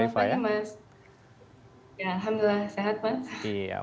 alhamdulillah sehat mas